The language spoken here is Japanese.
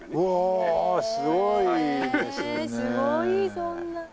へえすごいそんな。